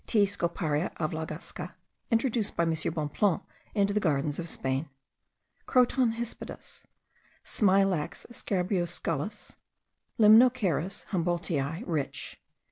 scoparia of Lagasca (introduced by M. Bonpland into the gardens of Spain), Croton hispidus, Smilax scabriusculus, Limnocharis Humboldti, Rich.